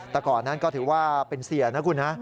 แต่ก่อนนั้นก็ถือว่าเป็นเสียนะคุณฮะ